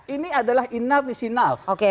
ini adalah enough is enough